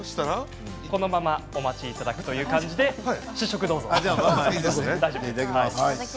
このままお待ちいただくという感じで、試食をどうぞ。